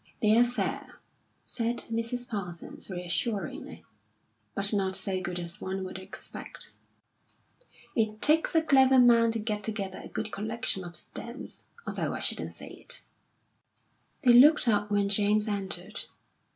"They're fair," said Mrs. Parsons, reassuringly; "but not so good as one would expect." "It takes a clever man to get together a good collection of stamps, although I shouldn't say it." They looked up when James entered.